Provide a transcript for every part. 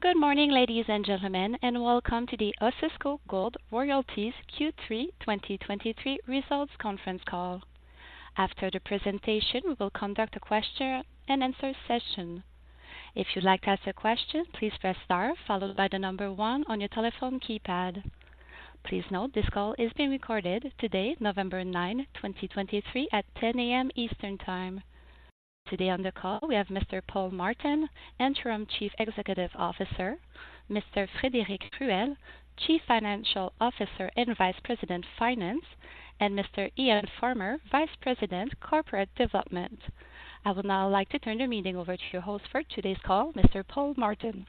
Good morning, ladies and gentlemen, and welcome to the Osisko Gold Royalties Q3 2023 Results Conference Call. After the presentation, we will conduct a question-and-answer session. If you'd like to ask a question, please press star followed by the number one on your telephone keypad. Please note, this call is being recorded today, November 9, 2023, at 10:00 A.M. Eastern Time. Today on the call, we have Mr. Paul Martin, Interim Chief Executive Officer, Mr. Frédéric Ruel, Chief Financial Officer and Vice President, Finance, and Mr. Iain Farmer, Vice President, Corporate Development. I would now like to turn the meeting over to your host for today's call, Mr. Paul Martin.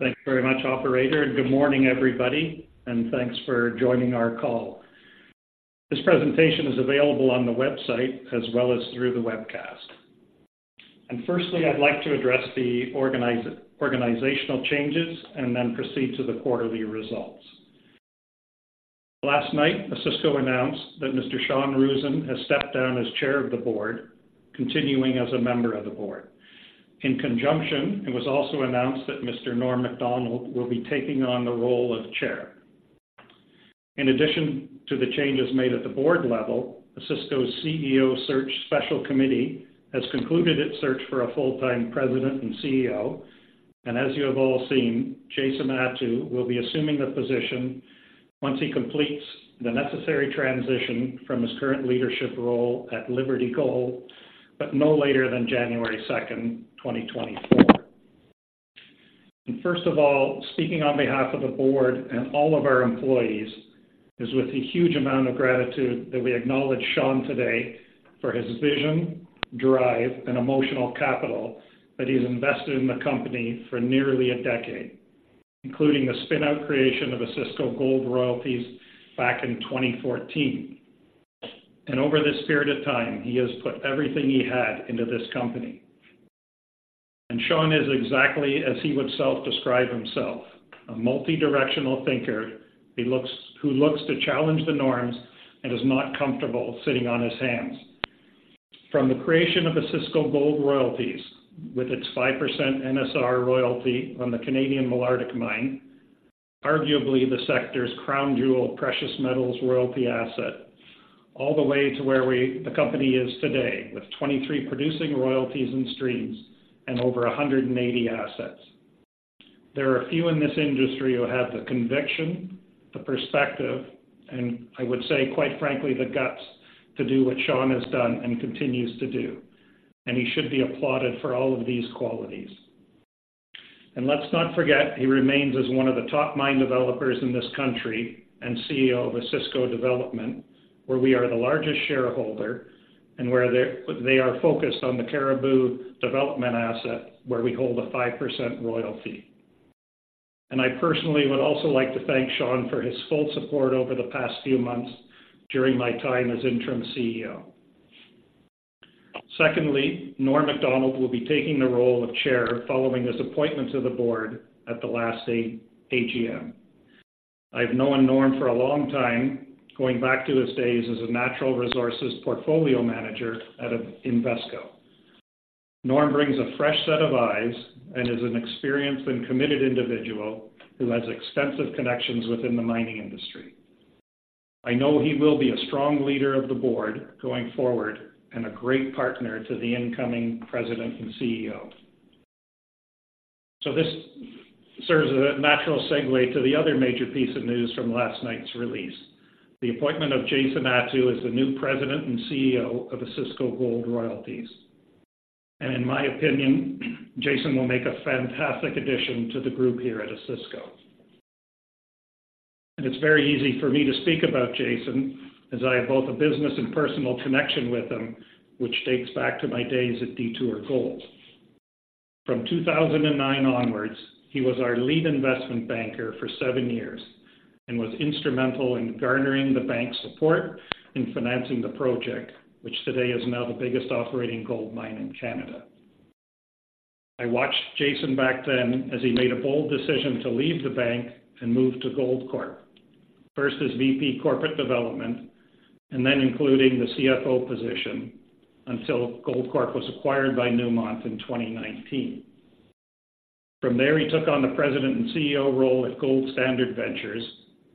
Thank you very much, operator. Good morning, everybody, and thanks for joining our call. This presentation is available on the website as well as through the webcast. Firstly, I'd like to address the organizational changes and then proceed to the quarterly results. Last night, Osisko announced that Mr. Sean Roosen has stepped down as chair of the board, continuing as a member of the board. In conjunction, it was also announced that Mr. Norm MacDonald will be taking on the role of chair. In addition to the changes made at the board level, Osisko's CEO Search Special Committee has concluded its search for a full-time president and CEO. As you have all seen, Jason Attew will be assuming the position once he completes the necessary transition from his current leadership role at Liberty Gold, but no later than January second, twenty twenty-four. First of all, speaking on behalf of the board and all of our employees, with a huge amount of gratitude that we acknowledge Sean today for his vision, drive, and emotional capital that he's invested in the company for nearly a decade, including the spin-out creation of Osisko Gold Royalties back in 2014. Over this period of time, he has put everything he had into this company. Sean is exactly as he would self-describe himself, a multidirectional thinker, who looks to challenge the norms and is not comfortable sitting on his hands. From the creation of Osisko Gold Royalties, with its 5% NSR royalty on the Canadian Malartic mine, arguably the sector's crown jewel, precious metals, royalty asset, all the way to where we, the company is today, with 23 producing royalties and streams and over 180 assets. There are a few in this industry who have the conviction, the perspective, and I would say, quite frankly, the guts to do what Sean has done and continues to do, and he should be applauded for all of these qualities. Let's not forget, he remains as one of the top mine developers in this country and CEO of Osisko Development, where we are the largest shareholder and where they, they are focused on the Cariboo development asset, where we hold a 5% royalty. I personally would also like to thank Sean for his full support over the past few months during my time as interim CEO. Secondly, Norm MacDonald will be taking the role of chair following his appointment to the board at the last AGM. I've known Norm for a long time, going back to his days as a natural resources portfolio manager at Invesco. Norm brings a fresh set of eyes and is an experienced and committed individual who has extensive connections within the mining industry. I know he will be a strong leader of the board going forward and a great partner to the incoming president and CEO. So this serves as a natural segue to the other major piece of news from last night's release, the appointment of Jason Attew as the new President and CEO of Osisko Gold Royalties. And in my opinion, Jason will make a fantastic addition to the group here at Osisko. And it's very easy for me to speak about Jason, as I have both a business and personal connection with him, which dates back to my days at Detour Gold. From 2009 onwards, he was our lead investment banker for 7 years and was instrumental in garnering the bank's support in financing the project, which today is now the biggest operating gold mine in Canada. I watched Jason back then as he made a bold decision to leave the bank and move to Goldcorp, first as VP Corporate Development and then including the CFO position, until Goldcorp was acquired by Newmont in 2019. From there, he took on the President and CEO role at Gold Standard Ventures,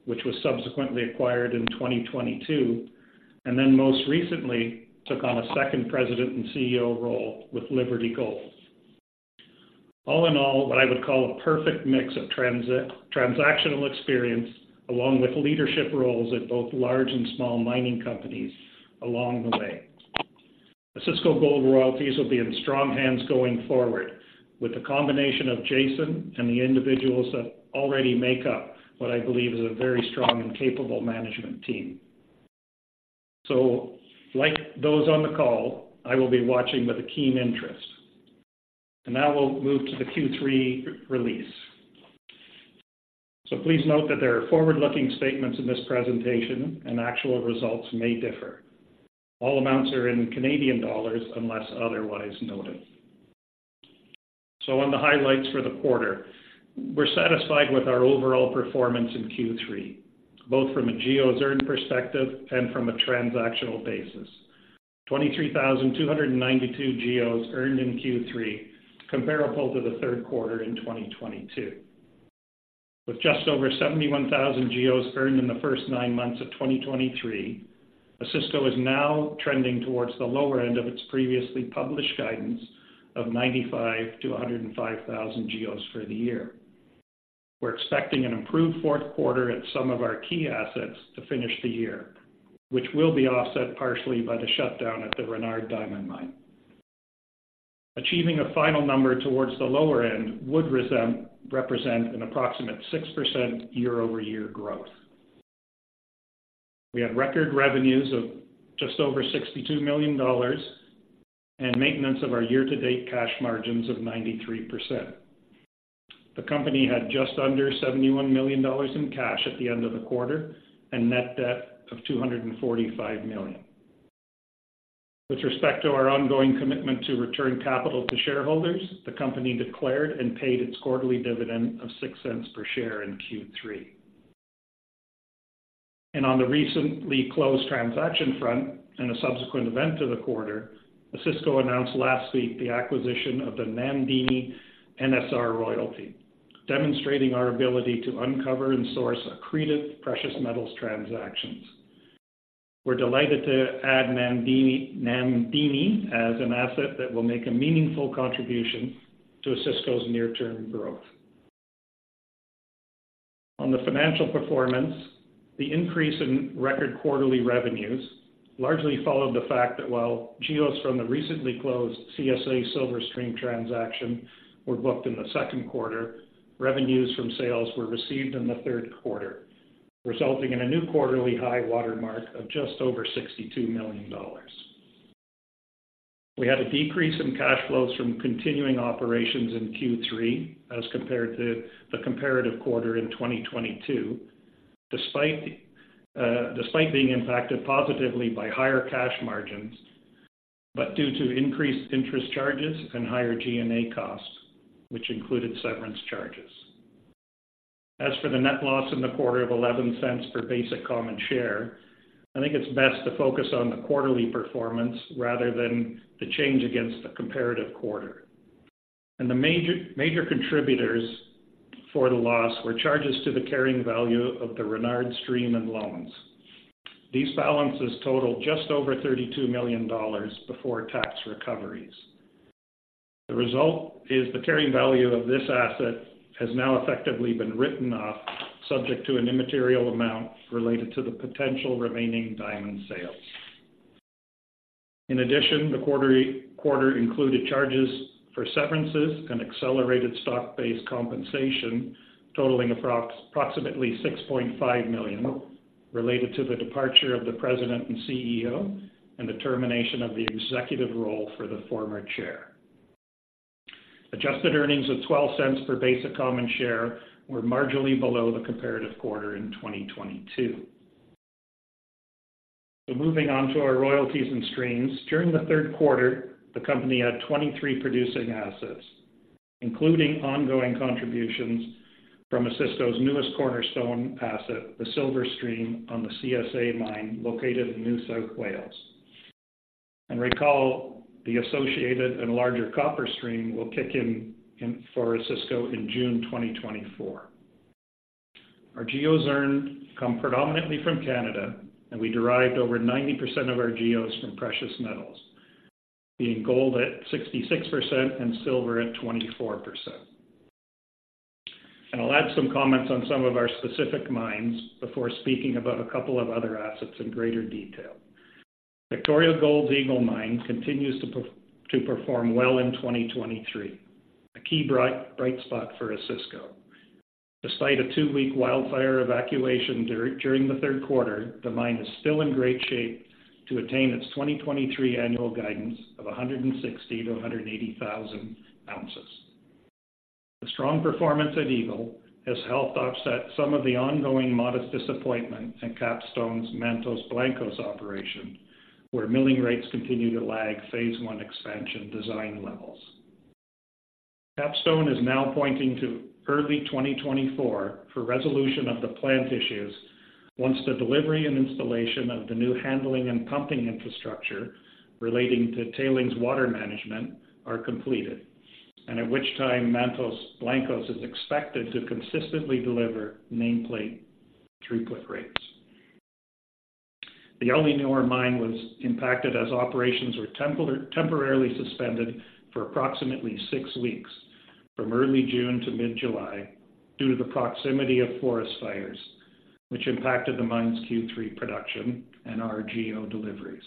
which was subsequently acquired in 2022, and then most recently took on a second President and CEO role with Liberty Gold. All in all, what I would call a perfect mix of transactional experience, along with leadership roles at both large and small mining companies along the way. Osisko Gold Royalties will be in strong hands going forward, with the combination of Jason and the individuals that already make up what I believe is a very strong and capable management team. So like those on the call, I will be watching with a keen interest. Now we'll move to the Q3 release. So please note that there are forward-looking statements in this presentation and actual results may differ. All amounts are in Canadian dollars unless otherwise noted. So on the highlights for the quarter, we're satisfied with our overall performance in Q3... both from a GEOs earned perspective and from a transactional basis. 23,292 GEOs earned in Q3, comparable to the third quarter in 2022. With just over 71,000 GEOs earned in the first nine months of 2023, Osisko is now trending towards the lower end of its previously published guidance of 95,000-105,000 GEOs for the year. We're expecting an improved fourth quarter at some of our key assets to finish the year, which will be offset partially by the shutdown at the Renard Diamond Mine. Achieving a final number towards the lower end would represent an approximate 6% year-over-year growth. We had record revenues of just over 62 million dollars and maintenance of our year-to-date cash margins of 93%. The company had just under 71 million dollars in cash at the end of the quarter and net debt of 245 million. With respect to our ongoing commitment to return capital to shareholders, the company declared and paid its quarterly dividend of 0.06 per share in Q3. On the recently closed transaction front and a subsequent event to the quarter, Osisko announced last week the acquisition of the Namdini NSR Royalty, demonstrating our ability to uncover and source accretive precious metals transactions. We're delighted to add Namdini, Namdini as an asset that will make a meaningful contribution to Osisko's near-term growth. On the financial performance, the increase in record quarterly revenues largely followed the fact that while GEOs from the recently closed CSA Silver Stream transaction were booked in the second quarter, revenues from sales were received in the third quarter, resulting in a new quarterly high watermark of just over 62 million dollars. We had a decrease in cash flows from continuing operations in Q3 as compared to the comparative quarter in 2022, despite, despite being impacted positively by higher cash margins, but due to increased interest charges and higher G&A costs, which included severance charges. As for the net loss in the quarter of $0.11 per basic common share, I think it's best to focus on the quarterly performance rather than the change against the comparative quarter. The major, major contributors for the loss were charges to the carrying value of the Renard Stream and loans. These balances totaled just over $32 million before tax recoveries. The result is the carrying value of this asset has now effectively been written off, subject to an immaterial amount related to the potential remaining diamond sales. In addition, the quarter included charges for severances and accelerated stock-based compensation, totaling approximately 6.5 million, related to the departure of the President and CEO and the termination of the executive role for the former chair. Adjusted earnings of 0.12 per basic common share were marginally below the comparative quarter in 2022. Moving on to our royalties and streams. During the third quarter, the company had 23 producing assets, including ongoing contributions from Osisko's newest cornerstone asset, the Silver Stream, on the CSA Mine located in New South Wales. Recall, the associated and larger copper stream will kick in for Osisko in June 2024. Our GEOs earned come predominantly from Canada, and we derived over 90% of our GEOs from precious metals, being gold at 66% and silver at 24%. I'll add some comments on some of our specific mines before speaking about a couple of other assets in greater detail. Victoria Gold's Eagle Mine continues to perform well in 2023, a key bright spot for Osisko. Despite a two-week wildfire evacuation during the third quarter, the mine is still in great shape to attain its 2023 annual guidance of 160,000-180,000 ounces. The strong performance at Eagle has helped offset some of the ongoing modest disappointment in Capstone's Mantos Blancos operation, where milling rates continue to lag phase one expansion design levels. Capstone is now pointing to early 2024 for resolution of the plant issues once the delivery and installation of the new handling and pumping infrastructure relating to tailings water management are completed, and at which time, Mantos Blancos is expected to consistently deliver nameplate throughput rates. The Éléonore mine was impacted as operations were temporarily suspended for approximately six weeks, from early June to mid-July, due to the proximity of forest fires, which impacted the mine's Q3 production and our GEO deliveries.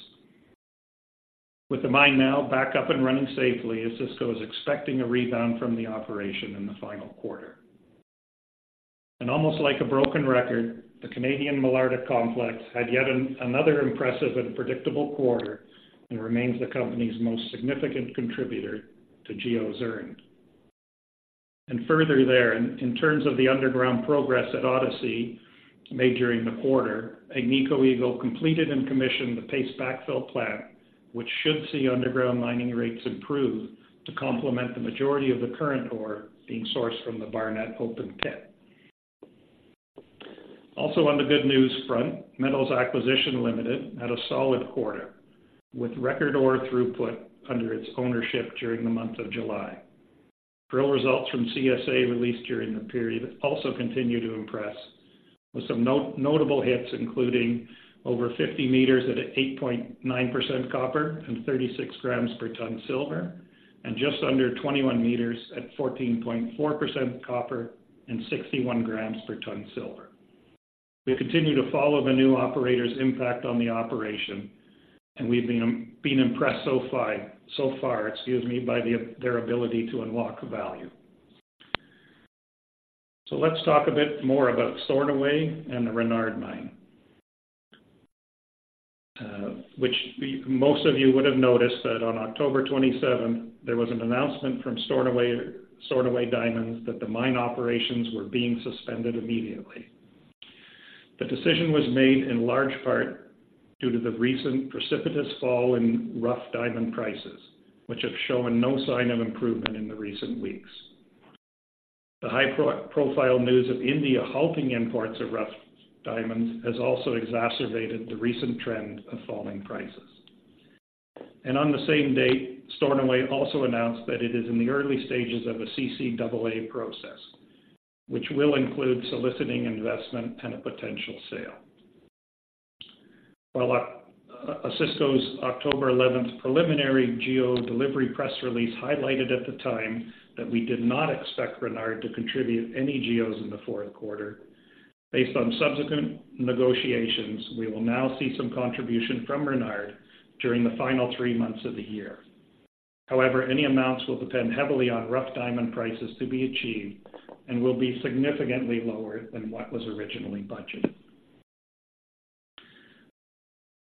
With the mine now back up and running safely, Osisko is expecting a rebound from the operation in the final quarter. Almost like a broken record, the Canadian Malartic complex had yet another impressive and predictable quarter and remains the company's most significant contributor to GEOs earned. And further there, in terms of the underground progress at Odyssey made during the quarter, Agnico Eagle completed and commissioned the paste backfill plant, which should see underground mining rates improve to complement the majority of the current ore being sourced from the Barnett open pit. Also, on the good news front, Metals Acquisition Limited had a solid quarter, with record ore throughput under its ownership during the month of July. Drill results from CSA, released during the period, also continued to impress, with some notable hits, including over 50 meters at 8.9% copper and 36 grams per ton silver, and just under 21 meters at 14.4% copper and 61 grams per ton silver. We continue to follow the new operator's impact on the operation, and we've been impressed so far, excuse me, by their ability to unlock value. So let's talk a bit more about Stornoway and the Renard Mine. Which most of you would have noticed that on October twenty-seventh, there was an announcement from Stornoway, Stornoway Diamonds, that the mine operations were being suspended immediately. The decision was made in large part due to the recent precipitous fall in rough diamond prices, which have shown no sign of improvement in the recent weeks. The high-profile news of India halting imports of rough diamonds has also exacerbated the recent trend of falling prices. And on the same date, Stornoway also announced that it is in the early stages of a CCAA process, which will include soliciting investment and a potential sale. While, Osisko's October 11 preliminary GEO delivery press release highlighted at the time that we did not expect Renard to contribute any GEOs in the fourth quarter. Based on subsequent negotiations, we will now see some contribution from Renard during the final three months of the year. However, any amounts will depend heavily on rough diamond prices to be achieved and will be significantly lower than what was originally budgeted.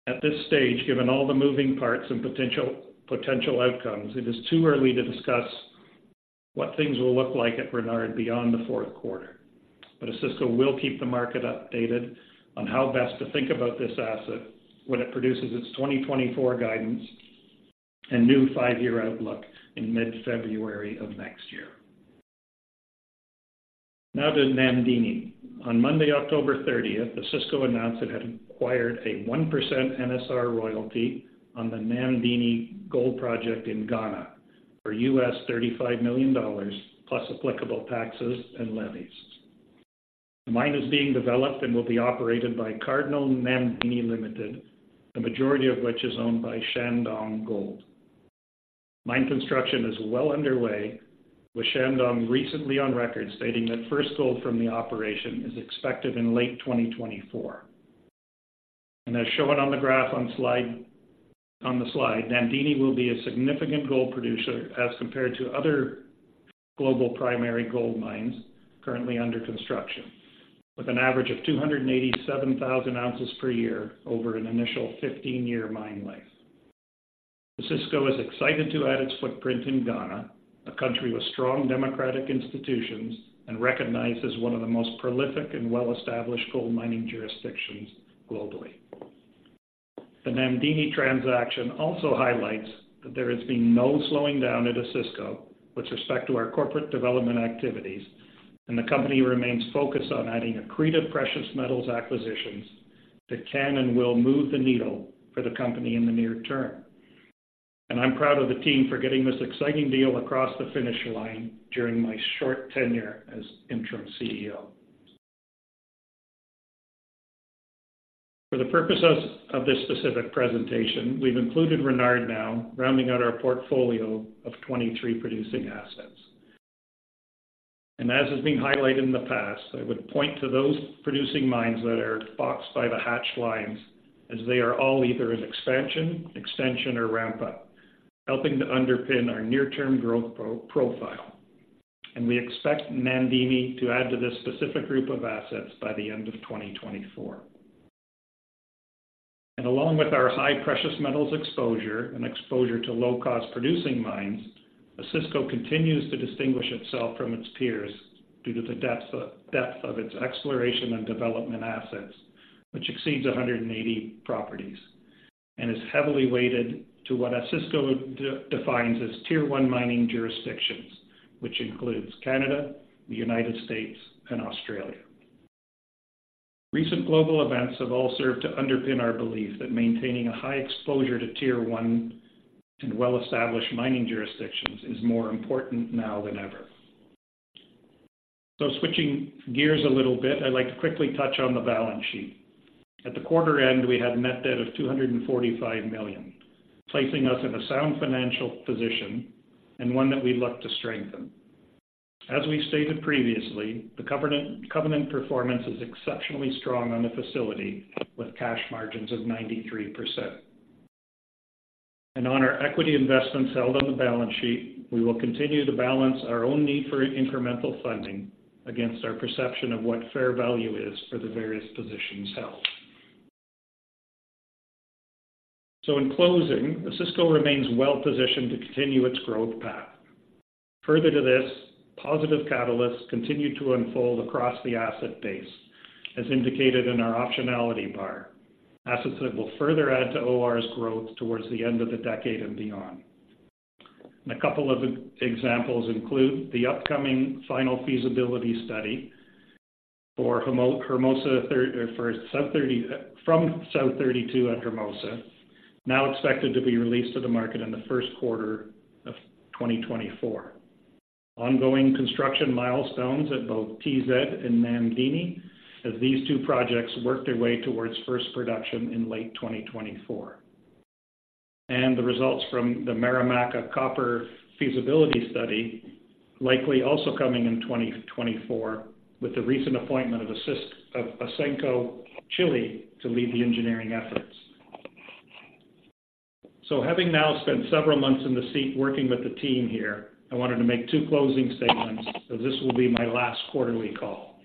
At this stage, given all the moving parts and potential outcomes, it is too early to discuss what things will look like at Renard beyond the fourth quarter. But Osisko will keep the market updated on how best to think about this asset when it produces its 2024 guidance and new five-year outlook in mid-February of next year. Now to Namdini. On Monday, October 30th, Osisko announced it had acquired a 1% NSR royalty on the Namdini Gold Project in Ghana for $35 million, plus applicable taxes and levies. The mine is being developed and will be operated by Cardinal Namdini Mining Limited, the majority of which is owned by Shandong Gold. Mine construction is well underway, with Shandong recently on record, stating that first gold from the operation is expected in late 2024. And as shown on the graph on slide, on the slide, Namdini will be a significant gold producer as compared to other global primary gold mines currently under construction, with an average of 287,000 ounces per year over an initial 15-year mine life. Osisko is excited to add its footprint in Ghana, a country with strong democratic institutions and recognized as one of the most prolific and well-established gold mining jurisdictions globally. The Namdini transaction also highlights that there has been no slowing down at Osisko with respect to our corporate development activities, and the company remains focused on adding accretive precious metals acquisitions that can and will move the needle for the company in the near term. I'm proud of the team for getting this exciting deal across the finish line during my short tenure as Interim CEO. For the purposes of this specific presentation, we've included Renard now, rounding out our portfolio of 23 producing assets. And as has been highlighted in the past, I would point to those producing mines that are boxed by the hatched lines, as they are all either in expansion, extension, or ramp up, helping to underpin our near-term growth pro-profile. And we expect Namdini to add to this specific group of assets by the end of 2024. And along with our high precious metals exposure and exposure to low-cost producing mines, Osisko continues to distinguish itself from its peers due to the depth of, depth of its exploration and development assets, which exceeds 180 properties, and is heavily weighted to what Osisko de- defines as Tier One mining jurisdictions, which includes Canada, the United States, and Australia. Recent global events have all served to underpin our belief that maintaining a high exposure to Tier One and well-established mining jurisdictions is more important now than ever. So switching gears a little bit, I'd like to quickly touch on the balance sheet. At the quarter end, we had a net debt of 245 million, placing us in a sound financial position and one that we look to strengthen. As we stated previously, the covenant performance is exceptionally strong on the facility, with cash margins of 93%. And on our equity investments held on the balance sheet, we will continue to balance our own need for incremental funding against our perception of what fair value is for the various positions held. So in closing, Osisko remains well positioned to continue its growth path. Further to this, positive catalysts continue to unfold across the asset base, as indicated in our optionality bar. Assets that will further add to OR's growth towards the end of the decade and beyond. A couple of examples include the upcoming final feasibility study for Hermosa from South32 at Hermosa, now expected to be released to the market in the first quarter of 2024. Ongoing construction milestones at both TZ and Namdini, as these two projects work their way towards first production in late 2024. And the results from the Marimaca copper feasibility study, likely also coming in 2024, with the recent appointment of Ausenco Chile to lead the engineering efforts. So having now spent several months in the seat working with the team here, I wanted to make two closing statements, as this will be my last quarterly call.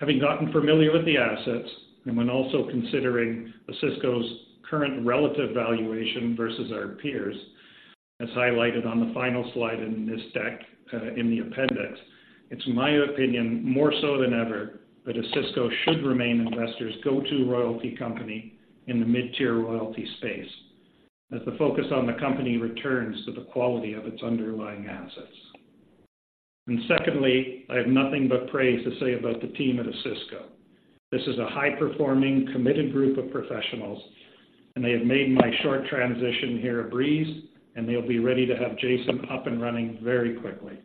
Having gotten familiar with the assets, and when also considering Osisko's current relative valuation versus our peers, as highlighted on the final slide in this deck, in the appendix, it's my opinion, more so than ever, that Osisko should remain investors' go-to royalty company in the mid-tier royalty space, as the focus on the company returns to the quality of its underlying assets. Secondly, I have nothing but praise to say about the team at Osisko. This is a high-performing, committed group of professionals, and they have made my short transition here a breeze, and they'll be ready to have Jason up and running very quickly.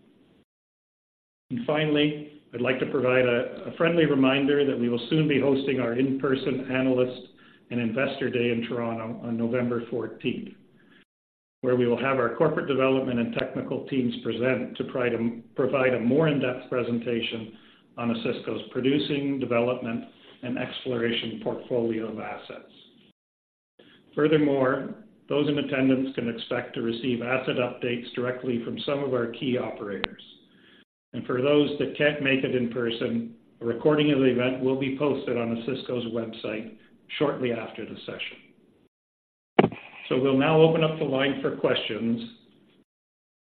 And finally, I'd like to provide a friendly reminder that we will soon be hosting our in-person Analyst and Investor Day in Toronto on November fourteenth, where we will have our corporate development and technical teams present to try to provide a more in-depth presentation on Osisko's producing, development, and exploration portfolio of assets. Furthermore, those in attendance can expect to receive asset updates directly from some of our key operators. And for those that can't make it in person, a recording of the event will be posted on Osisko's website shortly after the session. So we'll now open up the line for questions,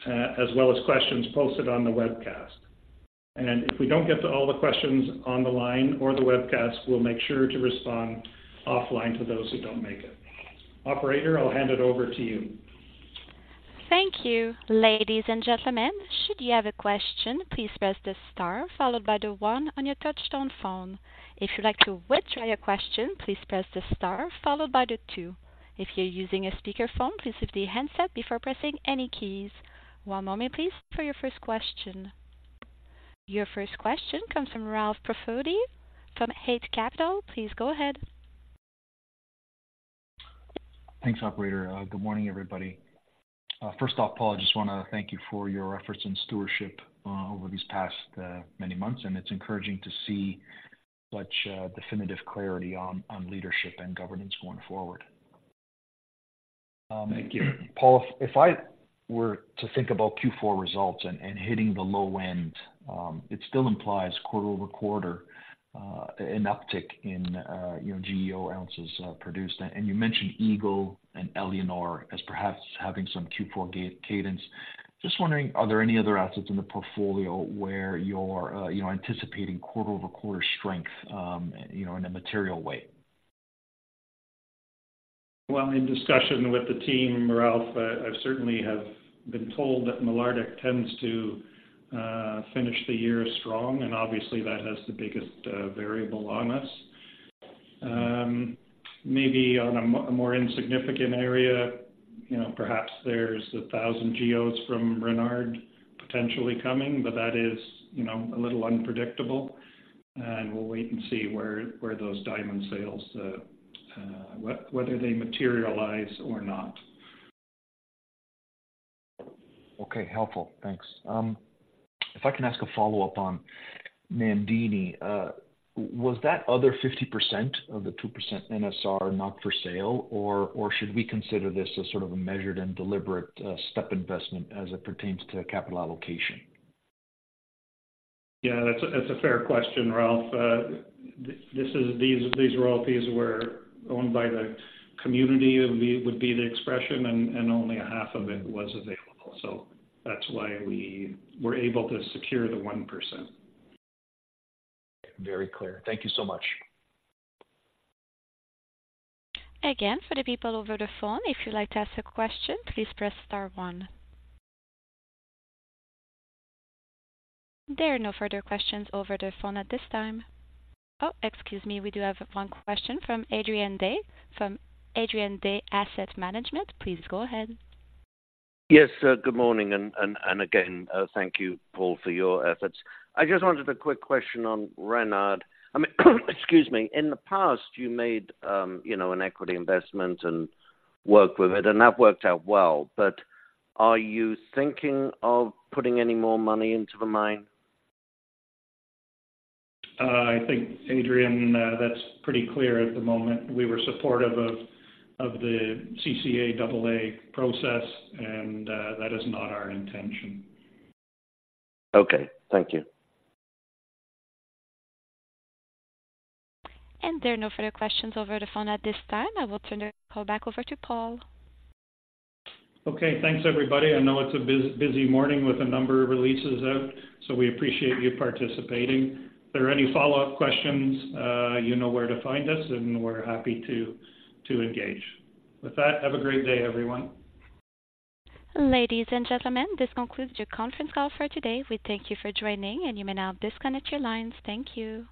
as well as questions posted on the webcast. And if we don't get to all the questions on the line or the webcast, we'll make sure to respond offline to those who don't make it. Operator, I'll hand it over to you. Thank you. Ladies and gentlemen, should you have a question, please press the star followed by the one on your touchtone phone. If you'd like to withdraw your question, please press the star followed by the two. If you're using a speakerphone, please lift the handset before pressing any keys. One moment, please, for your first question. Your first question comes from Ralph Profiti from Eight Capital. Please go ahead. Thanks, operator. Good morning, everybody. First off, Paul, I just want to thank you for your efforts and stewardship over these past many months, and it's encouraging to see such definitive clarity on leadership and governance going forward. Thank you. Paul, if I were to think about Q4 results and hitting the low end, it still implies quarter-over-quarter an uptick in, you know, GEO ounces produced. And you mentioned Eagle and Éléonore as perhaps having some Q4 cadence. Just wondering, are there any other assets in the portfolio where you're, you know, anticipating quarter-over-quarter strength, you know, in a material way? Well, in discussion with the team, Ralph, I certainly have been told that Malartic tends to finish the year strong, and obviously that has the biggest variable on us. Maybe on a more insignificant area, you know, perhaps there's 1,000 GEOs from Renard potentially coming, but that is, you know, a little unpredictable, and we'll wait and see whether those diamond sales materialize or not. Okay, helpful. Thanks. If I can ask a follow-up on Namdini, was that other 50% of the 2% NSR not for sale, or, or should we consider this as sort of a measured and deliberate step investment as it pertains to capital allocation? Yeah, that's a fair question, Ralph. This is, these royalties were owned by the community. It would be the expression, and only a half of it was available. So that's why we were able to secure the 1%. Very clear. Thank you so much. Again, for the people over the phone, if you'd like to ask a question, please press star one. There are no further questions over the phone at this time. Oh, excuse me, we do have one question from Adrian Day, from Adrian Day Asset Management. Please go ahead. Yes, good morning, and again, thank you, Paul, for your efforts. I just wanted a quick question on Renard. I mean, excuse me. In the past, you made, you know, an equity investment and worked with it, and that worked out well, but are you thinking of putting any more money into the mine? I think, Adrian, that's pretty clear at the moment. We were supportive of the CCAA process, and that is not our intention. Okay, thank you. There are no further questions over the phone at this time. I will turn the call back over to Paul. Okay, thanks, everybody. I know it's a busy morning with a number of releases out, so we appreciate you participating. If there are any follow-up questions, you know where to find us, and we're happy to engage. With that, have a great day, everyone. Ladies and gentlemen, this concludes your conference call for today. We thank you for joining, and you may now disconnect your lines. Thank you.